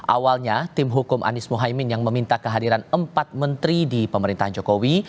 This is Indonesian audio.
awalnya tim hukum anies mohaimin yang meminta kehadiran empat menteri di pemerintahan jokowi